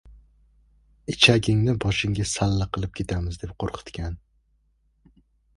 Ichagingni boshingga salla qilib ketamiz deb qo‘rqitgan.